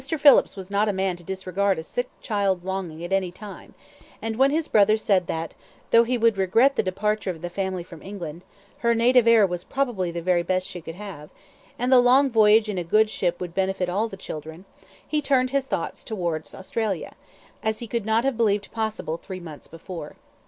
Phillips was not a man to disregard a sick child's longing at any time; and when his brother said that, though he would regret the departure of the family from England, her native air was probably the very best she could have, and the long voyage in a good ship would benefit all the children, he turned his thoughts towards Australia, as he could not have believed possible three months before.